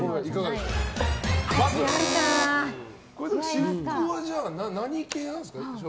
私服は何系なんですか？